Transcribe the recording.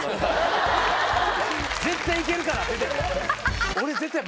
「絶対行けるから」。